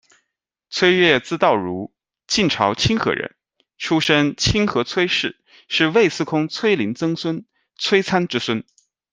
崔悦字道儒，晋朝清河人，出身清河崔氏，是魏司空崔林曾孙、崔参之孙。